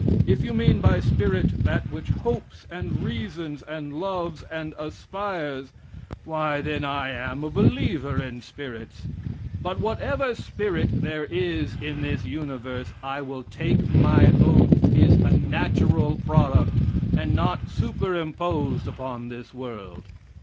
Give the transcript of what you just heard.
If you mean by spirit that which hopes and reasons and loves and aspires, why, then, I am a believer in spirits; but whatever spirit there is in this universe I will take my oath is a natural product and not superimposed upon this world.